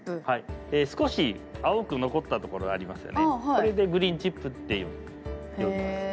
これでグリーンチップって呼びますね。